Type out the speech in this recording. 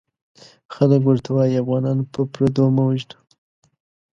خلک ورته وايي افغانان په پردو مه وژنه!